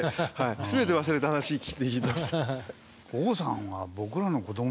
全て忘れて話聞いてました。